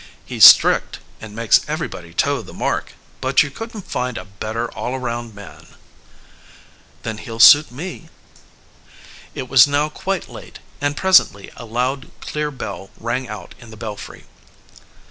"He's strict, and makes everybody toe the mark, but you couldn't find a better all around man." "Then he'll suit me." It was now quite late, and presently a loud, clear bell rang out in the belfry.